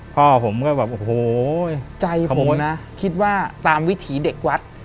พ่อผมก็แบบโอ้โหขอบคุณนะใจผมคิดว่าตามวิถีเด็กวัด